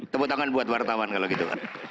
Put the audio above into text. tepuk tangan buat wartawan kalau gitu kan